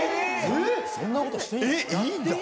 そんなことしていいの？いいんだ？